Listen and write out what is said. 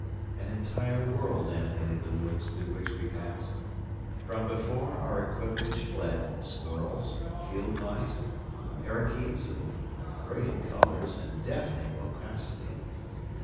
An entire world animated the woods through which we passed. From before our equipage fled squirrels, field mice, parroquets of brilliant colors and deafening loquacity.